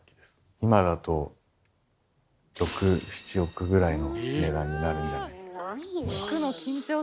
今だと６億７億ぐらいの値段になるんじゃないかなと思います。